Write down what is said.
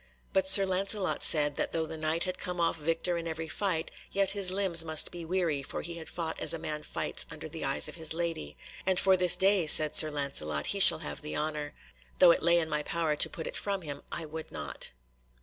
But Sir Lancelot said that though the Knight had come off victor in every fight, yet his limbs must be weary, for he had fought as a man fights under the eyes of his lady, "and for this day," said Sir Lancelot, "he shall have the honour. Though it lay in my power to put it from him, I would not."